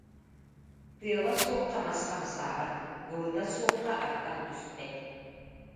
Тыала суохха мас хамсаабат, былыта суохха ардах түспэт.